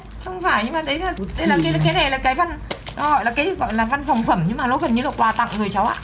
không phải nhưng mà đấy là cái này là cái văn phòng phẩm nhưng mà nó gần như là quà tặng người cháu á